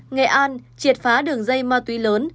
nghệ an triệt phá đường dây ma túy lớn